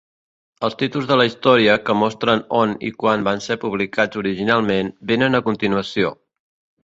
Els títols de la història, que mostren on i quan van ser publicats originalment, venen a continuació.